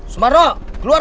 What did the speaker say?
sumarno keluar lu